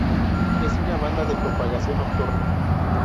Es una banda de propagación nocturna.